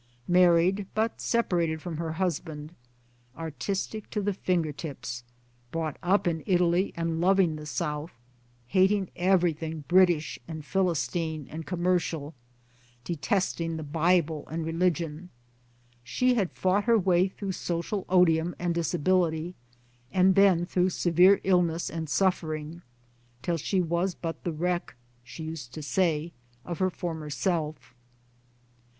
Married, but sepa rated from her husband ; artistic to the finger tips ; brought up in Italy, and loving the South ; hating; everything British and Philistine and commercial ; detesting the Bible and religion ; she had fought her, way through social odium and disability, and then through severe illness and suffering, till she was but the wreck (she used to say) of her former self.